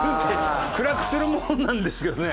暗くするものなんですけどね。